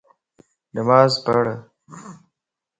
نماز پڙھ